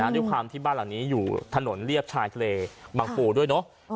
ด้วยความที่บ้านหลังนี้อยู่ถนนเรียบชายทะเลบังปูด้วยเนอะ